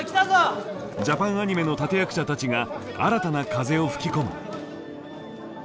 ジャパンアニメの立て役者たちが新たな風を吹き込む。